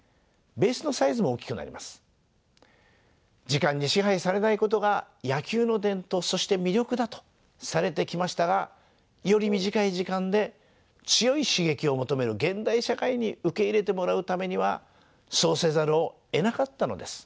時間に支配されないことが野球の伝統そして魅力だとされてきましたがより短い時間で強い刺激を求める現代社会に受け入れてもらうためにはそうせざるをえなかったのです。